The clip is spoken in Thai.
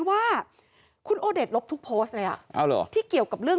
ว่าคุณโอเดชลบทุกโพสต์เลยอ่ะที่เกี่ยวกับเรื่อง